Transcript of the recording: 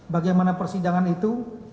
bagaimana persidangan itu